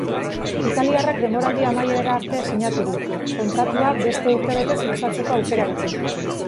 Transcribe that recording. Italiarrak denboraldi amaierara arte sinatu du, kontratua beste urtebetez luzatzeko aukerarekin.